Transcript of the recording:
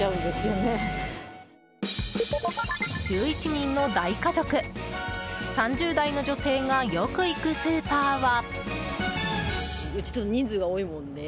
１１人の大家族３０代の女性がよく行くスーパーは。